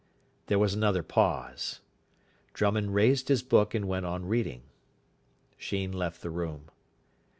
There was another pause. Drummond raised his book and went on reading. Sheen left the room.